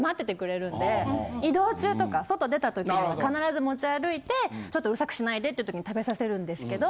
移動中とか外出た時には必ず持ち歩いてちょっとうるさくしないでっていう時に食べさせるんですけど。